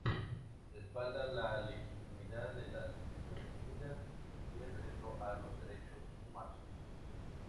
Respalda la legitimidad de las Naciones Unidas y el respeto a los Derechos Humanos.